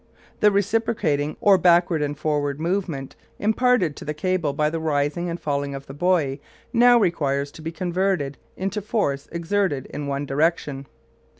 The reciprocating, or backward and forward, movement imparted to the cable by the rising and falling of the buoy now requires to be converted into a force exerted in one direction.